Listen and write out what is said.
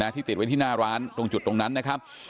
ที่ติดไว้ที่หน้าร้านตรงจุดตรงนั้นนะครับ